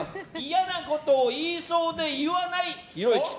嫌なことを言いそうで言わないひろゆき。